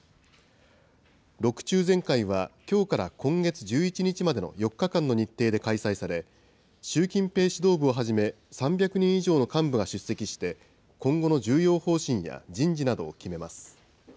６中全会は、きょうから今月１１日までの４日間の日程で開催され、習近平指導部をはじめ、３００人以上の幹部が出席して、今後の重要方針や人事などを決めます。